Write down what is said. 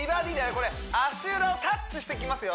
これ足裏をタッチしていきますよ